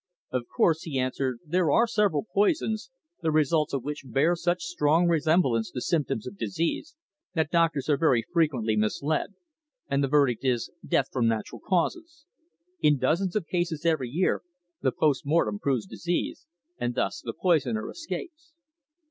"Of course," he answered, "there are several poisons, the results of which bear such strong resemblance to symptoms of disease, that doctors are very frequently misled, and the verdict is `Death from natural causes.' In dozens of cases every year the post mortem proves disease, and thus the poisoner escapes."